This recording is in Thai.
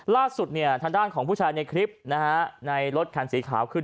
ล่าสุดเนี่ยทางด้านของผู้ชายในคลิปนะฮะในรถคันสีขาวคือ